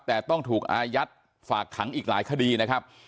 แต่ต้องถูกอายัดฝากขังอีกหลายคดีนะครับ